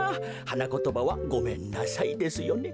はなことばは「ごめんなさい」ですよね。